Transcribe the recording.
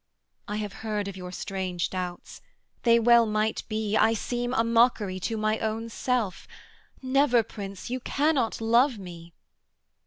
I have heard of your strange doubts: they well might be: I seem A mockery to my own self. Never, Prince; You cannot love me.'